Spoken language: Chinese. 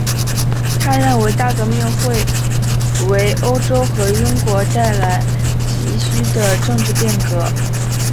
他认为大革命会为欧洲和英国带来急需的政治变革。